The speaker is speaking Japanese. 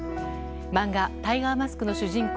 漫画「タイガーマスク」の主人公